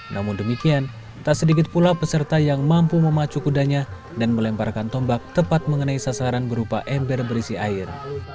namun demikian tak sedikit pula peserta yang mampu memacu kudanya dan melemparkan tombak tepat mengenai sasaran berupa ember berisi air